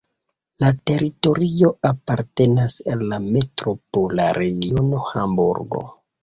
La teritorio apartenas al la metropola regiono Hamburgo.